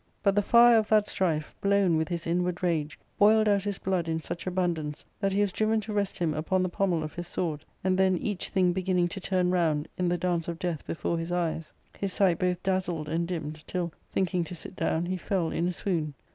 But the fire of that strife, blown with his inward rage, boiled out his blood in such abundance that he was driven to rest him upon the pommel of his sword ; and then each thing beginning to turn round in the dance of death before his eyes, his sight both dazzled and dimmed, till, thinking to sit down, he fell in a swound.